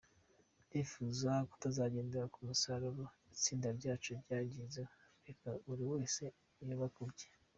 Ndifuza kutazagendera ku musaruro itsinda ryacu ryagezeho, reka buri wese yubake ibye…”.